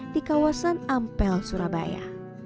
di kawasan ampel surabaya